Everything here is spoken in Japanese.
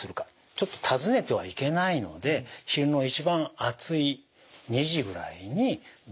ちょっと訪ねてはいけないので昼の一番暑い２時ぐらいに電話をする。